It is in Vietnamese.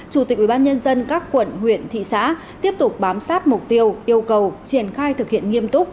chủ tịch ubnd các quận huyện thị xã tiếp tục bám sát mục tiêu yêu cầu triển khai thực hiện nghiêm túc